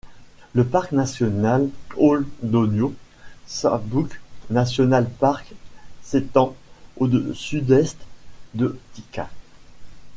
Le parc national Ol Donyo Sabuk National Park s’étend au sud-est de Thika.